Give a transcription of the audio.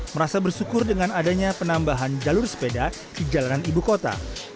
merasa bersyukur dengan adanya penambahan jalur sepeda di jalanan ibu kota